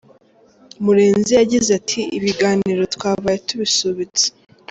Murenzi yagize ati “Ibiganiro twabaye tubisubitse.